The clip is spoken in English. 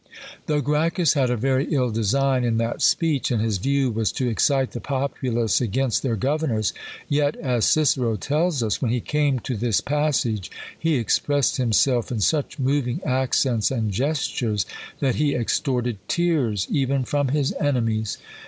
Though Gracchus had a very ill design in that speech, and his view was to excite the populace against their governors, yet (as Cicero tells us) when he came to this passage, he expressed himself in such moving accents and gestures, that he extorted tears even from his enemies.